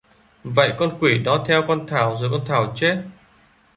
Vậy con quỷ nó theo con Thảo rồi con Thảo chết